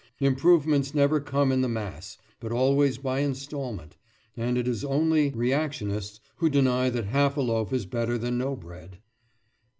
Improvements never come in the mass, but always by instalment; and it is only reactionists who deny that half a loaf is better than no bread.